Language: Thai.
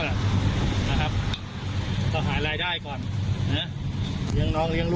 ร้านปะหมี่ไม่ยอมได้เริ่มเปิด